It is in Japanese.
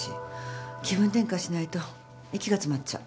気分転換しないと息が詰まっちゃう。